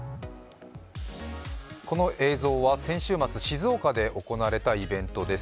この映像は先週末、静岡で行われたイベントです。